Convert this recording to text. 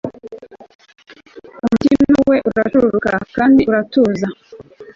umutima we uracururuka kandi uratuza